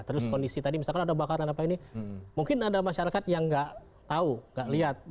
terus kondisi tadi misalkan ada bakaran apa ini mungkin ada masyarakat yang nggak tahu nggak lihat